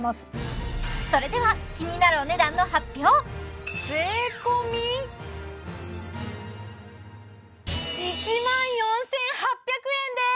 それでは気になる税込１万４８００円です！